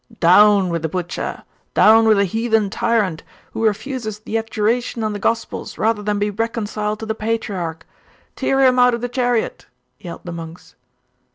'Down with the butcher! down with the heathen tyrant, who refuses the adjuration on the Gospels rather than be reconciled to the patriarch! Tear him out of the chariot!' yelled the monks.